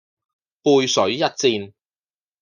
背水一戰